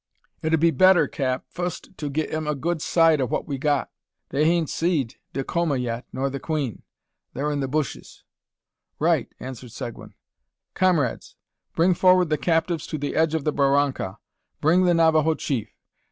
"It 'ud be better, cap, fust to gi' them a good sight o' what we've got. They hain't seed Dacoma yet, nor the queen. Thur in the bushes." "Right!" answered Seguin. "Comrades! bring forward the captives to the edge of the barranca. Bring the Navajo chief.